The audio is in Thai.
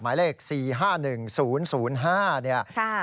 หมายเลข๔๕๑๐๐๕เนี่ย